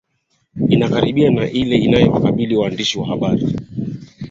inakaribiana na ile inayowakabili waandishi wahabari